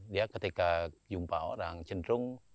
dia ketika jumpa orang cenderung